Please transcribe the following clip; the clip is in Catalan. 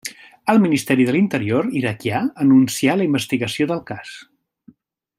El Ministeri de l'Interior iraquià anuncià la investigació del cas.